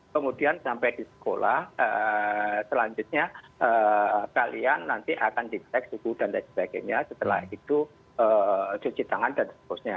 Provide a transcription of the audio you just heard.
kemudian sampai di sekolah selanjutnya kalian nanti akan dicek suhu dan lain sebagainya setelah itu cuci tangan dan seterusnya